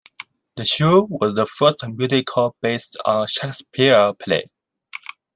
The show was the first musical based on a Shakespeare play.